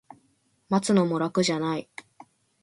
待つのも楽じゃない